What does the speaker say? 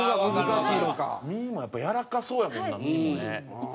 身もやっぱやわらかそうやもんな身もね。